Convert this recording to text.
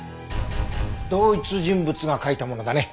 同一人物が書いたものだね。